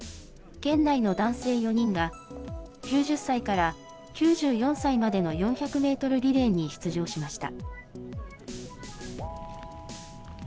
県内の男性４人が、９０歳から９４歳までの４００メートルリレーに出場しました。